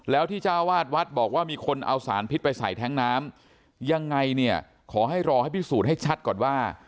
แล้วที่เจ้าวาดวัดบอกว่ามีคนเอาสารพิษไปใส่แท้งน้ำยังไงเนี่ยขอให้รอให้พิสูจน์ให้ชัดก่อนว่า